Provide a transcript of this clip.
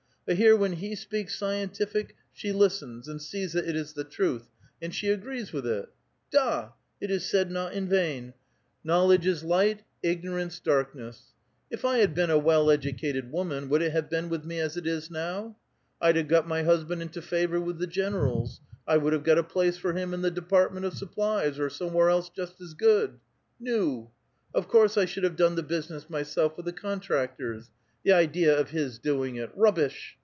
But here when he speaks scientific, she listens and sees that it is the truth, and she agrees with it. Da! it is said not in vain, ^ knowledge 90 A VITAL QUESTION. is lio; ht ; ignorance, darkness.' If I had been a well edn i'liUii woniaii, would it have been with iiie as it is now? Td havo got my hushaiid into favor with the generals ; I would have got a place for him in the department of supplies, or somewhere else just as good ! Nul of course 1 should have done tlie business myself with the contractors ! the idea of his doing it — rubbish